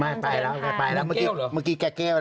ไม่ไปแล้วเมื่อกี้แกเหล่น